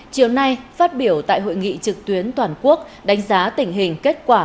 chiều nay phát biểu tại hội nghị trực tuyến toàn quốc đánh giá tình hình kết quả